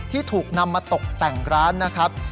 ที่ถูกนำมาตกแต่งร้านนะครับ